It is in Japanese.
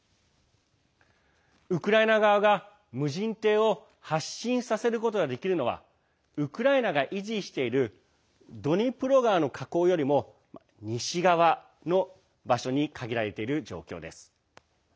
ウクライナ側が無人艇を発進させることができるのはウクライナが維持しているドニプロ川の河口よりも西側の場所に限られている状況です。